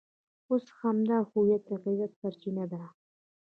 اوس همدا هویت د عزت سرچینه ده.